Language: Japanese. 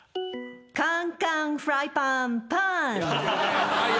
カンカンフライパンパン！！